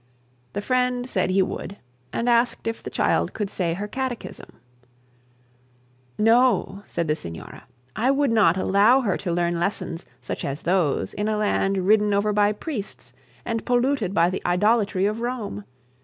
The friend said he would, and asked if the child could say her catechisms. 'No,' said the signora, 'I would not allow her to learn lessons such as those in a land ridden by priests, and polluted by the idolatry of Rome.